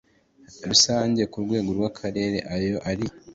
rusange ku rwego rw Akarere iyo ari